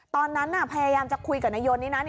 ตอนนั้นพยายามจะคุยกับนายนนี่นะ